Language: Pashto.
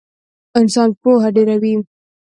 انسان پوهه ډېروي